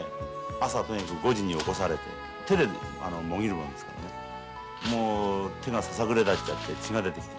朝ね５時に起こされて手でもぎるもんですからねもう手がささくれだっちゃって血が出てきて。